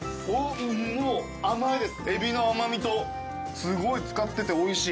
もう甘いですエビの甘味とすごい漬かってておいしい。